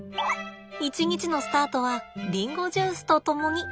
一日のスタートはりんごジュースと共に。